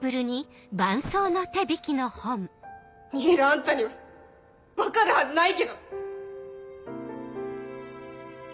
見えるあんたには分かるはずなはぁ。